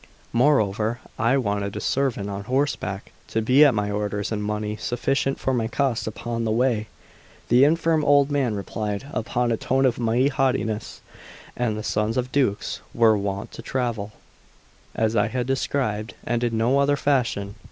Moreover, I wanted a servant on horseback to be at my orders, and money sufficient for my costs upon the way. The infirm old man replied, upon a tone of mighty haughtiness, that the sons of dukes were wont to travel as I had described, and in no other fashion.